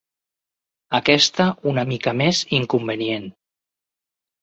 Aquesta una mica més inconvenient.